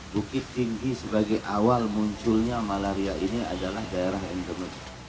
bukit tinggi sebagai awal munculnya malaria ini adalah daerah indonesia